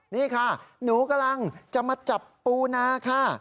นี่ค่ะหนูกำลังจะมาจับปูนาค่ะ